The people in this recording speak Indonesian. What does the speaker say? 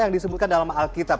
yang disebutkan dalam alkitab